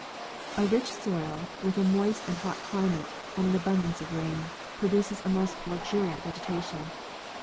A rich soil, with a moist and hot climate and an abundance of rain, produces a most luxuriant vegetation.